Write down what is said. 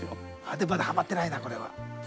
でもまだハマってないなこれは。